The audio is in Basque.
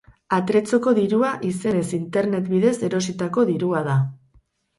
Atrezzoko dirua izenez internet bidez erositako dirua da.